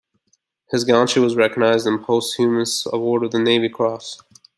His gallantry was recognized in the posthumous award of the Navy Cross.